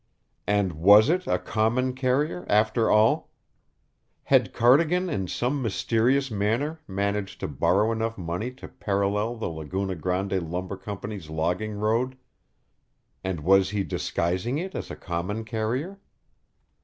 And was it a common carrier, after all? Had Cardigan in some mysterious manner managed to borrow enough money to parallel the Laguna Grande Lumber Company's logging road, and was he disguising it as a common carrier?